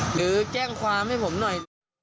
หรือแจ้งความให้ผมหน่อย